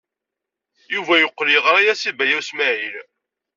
Yuba yeqqel yeɣra-as i Baya U Smaɛil.